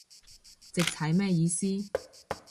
直踩咩意思